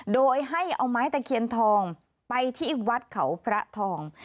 โดยให้เอาไม้ตะเคียนทองไปที่วัดเขาพระทอง